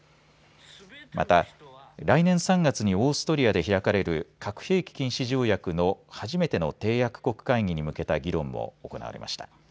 また、来年３月にオーストリアで開かれる核兵器禁止条約の初めての締約国会議に向けた議論も行われました。